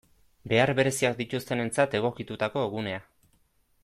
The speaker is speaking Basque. Behar bereziak dituztenentzat egokitutako gunea.